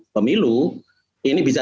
pemilu ini bisa